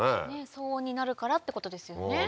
騒音になるからってことですよね。